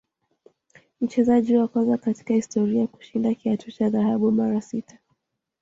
Mchezaji wa kwanza katika historia kushinda kiatu cha dhahabu mara sita